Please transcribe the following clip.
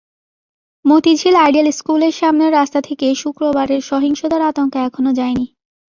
Motijheel ideal স্কুলের সামনের রাস্তা থেকে শুক্রবারের সহিংসতার আতঙ্ক এখনো যায়নি।